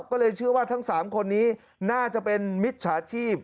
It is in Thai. ก็เลยเชื่อว่าทั้ง๓คนนี้น่าจะเป็นมิจฉาชีพ